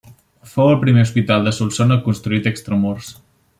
Fou el primer hospital de Solsona construït extramurs.